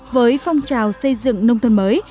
với phong trào xây dựng nông thuận mới